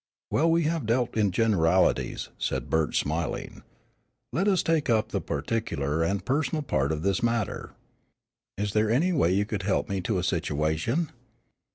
"Well, we have dealt in generalities," said Bert, smiling, "let us take up the particular and personal part of this matter. Is there any way you could help me to a situation?"